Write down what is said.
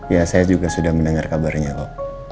ya saya juga sudah mendengar kabarnya kok